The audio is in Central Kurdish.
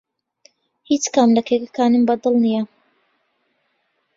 هیچ کام لە کێکەکانم بەدڵ نییە.